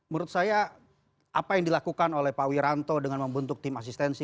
menurut saya apa yang dilakukan oleh pak wiranto dengan membentuk tim asistensi